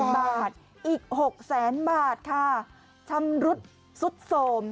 ๒๒๐๐๐๐บาทอีก๖๐๐๐๐๐บาทค่ะชำรุดซุดโทรม